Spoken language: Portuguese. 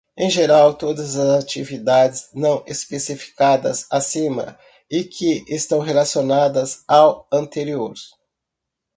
Em geral, todas as atividades não especificadas acima e que estão relacionadas ao anterior.